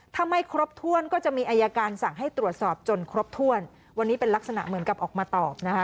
ถ้าไม่ครบถ้วนก็จะมีอายการสั่งให้ตรวจสอบจนครบถ้วนวันนี้เป็นลักษณะเหมือนกับออกมาตอบนะคะ